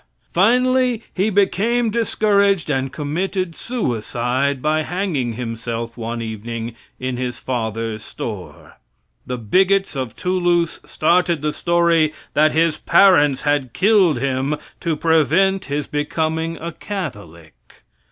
Finally he became discouraged and committed suicide by hanging himself one evening in his father's store. The bigots of Toulouse started the story that his parents had killed him to prevent his becoming a Catholic.